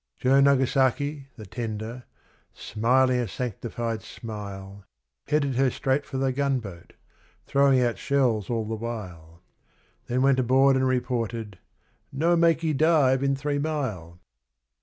Joe Nagasaki, the 'tender', smiling a sanctified smile, Headed her straight for the gunboat throwing out shells all the while Then went aboard and reported, 'No makee dive in three mile!